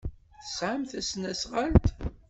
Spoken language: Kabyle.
Tesɛamt tasnasɣalt?